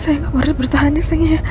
sayang kamu harus bertahannya